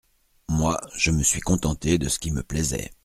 Moi, je me suis contenté de ce qui me plaisait.